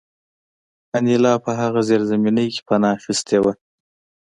انیلا په هغه زیرزمینۍ کې پناه اخیستې وه